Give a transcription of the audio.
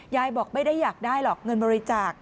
ยายบอกไม่ได้อยากได้หรอกเงินบริจาค